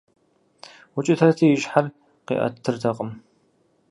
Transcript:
Укӏытэрти и щхьэр къиӏэтыртэкъым.